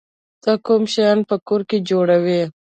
ته کوم شیان په کور کې جوړوی؟